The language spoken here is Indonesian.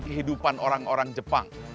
kehidupan orang orang jepang